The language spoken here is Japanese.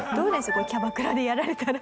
これキャバクラでやられたら。